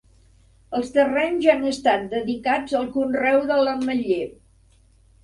Els terrenys han estat dedicats al conreu de l'ametler.